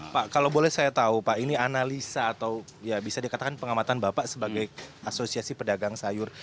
pak kalau boleh saya tahu pak ini analisa atau ya bisa dikatakan pengamatan bapak sebagai asosiasi pedagang sayur